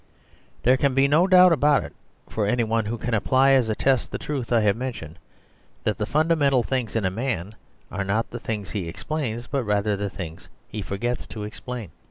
There can be no doubt about it for any one who can apply as a test the truth I have mentioned; that the fundamental things in a man are not the things he explains, but rather the things he forgets to explain.